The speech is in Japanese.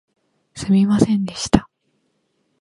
すみませんでした